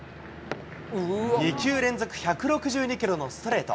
２球連続１６２キロのストレート。